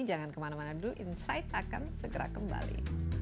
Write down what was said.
jangan kemana mana dulu insight akan segera kembali